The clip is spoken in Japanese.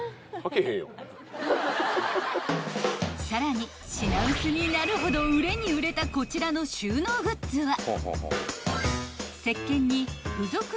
［さらに品薄になるほど売れに売れたこちらの収納グッズは］